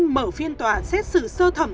mở phiên tòa xét xử sơ thẩm